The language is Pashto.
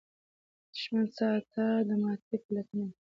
دښمن ستا د ماتې پلټنه کوي